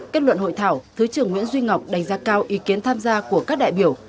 kết luận hội thảo thứ trưởng nguyễn duy ngọc đánh giá cao ý kiến tham gia của các đại biểu